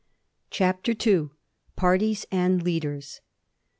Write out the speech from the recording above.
u. CHAPTER II. PARTIES AND LEADERS.